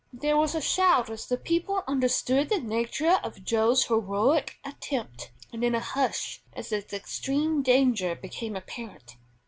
There was a shout as the people understood the nature of Joe's heroic attempt, and then a hush as its extreme danger became apparent.